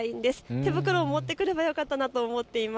手袋を持ってくればよかったなと思っています。